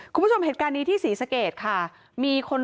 คุณผู้ชมเหตุการณ์นี้ที่ศรีสะเกดค่ะมีคน